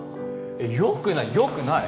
えっよくないよくない。